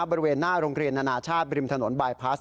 บริเวณหน้าโรงเรียนนานาชาติบริมถนนบายพลาส